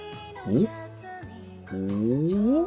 お？